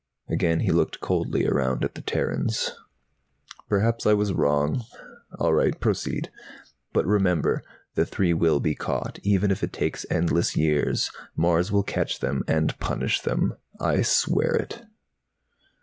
Again he looked coldly around at the Terrans. "Perhaps I was wrong. All right, proceed! But remember: the three will be caught, even if it takes endless years. Mars will catch them and punish them! I swear it!"